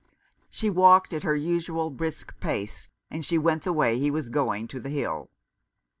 She walked at her usual brisk pace, and she went the way he was going to the Hill.